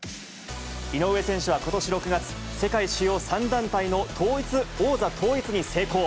井上選手はことし６月、世界主要３団体の王座統一に成功。